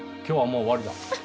今日はもう終わりだ。